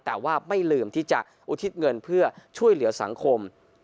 แต่ว่าไม่ลืมที่จะอุทิศเงินเพื่อช่วยเหลือสังคม